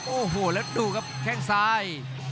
โอ้โหแล้วดูครับแข้งซ้าย